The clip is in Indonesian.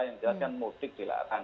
yang jelas kan mudik di larang